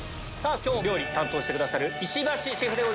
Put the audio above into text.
今日料理担当してくださる石橋シェフです。